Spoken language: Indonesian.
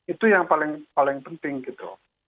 itu yang paling penting gitu